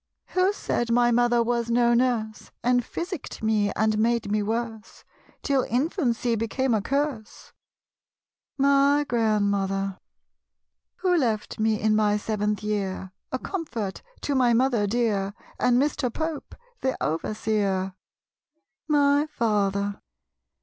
Who said my mother was no nurse. And physicked me and made me worse, Till infancy became a curse? My Grandmother. Who left me in my seventh year, A comfort to my mother dear, And Mr. Pope, the overseer? My Father.